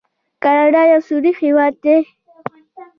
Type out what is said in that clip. کاناډا یو سوړ هیواد دی.